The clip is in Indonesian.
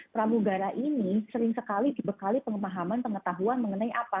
pramugara ini sering sekali dibekali pengemahaman pengetahuan mengenai apa